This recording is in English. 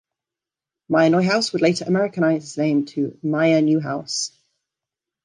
Meier Neuhaus would later Americanize his name to Meyer Newhouse.